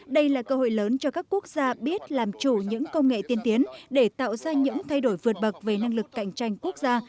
đây là cơ hội lớn cho các quốc gia biết làm chủ những công nghệ tiên tiến để tạo ra những thay đổi vượt bậc về năng lực cạnh tranh quốc gia